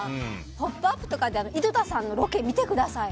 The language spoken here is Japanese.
「ポップＵＰ！」とかで井戸田さんのロケ見てください。